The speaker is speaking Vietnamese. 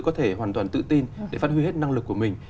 có thể hoàn toàn tự tin để phát huy hết năng lực của mình